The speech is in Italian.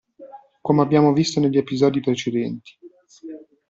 Come abbiamo visto negli episodi precedenti.